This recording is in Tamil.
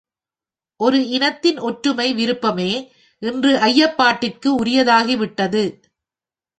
ஒரு இனத்தின் ஒற்றுமை விருப்பமே இன்று ஐயப்பாட்டிற்கு உரியதாகிவிட்டது.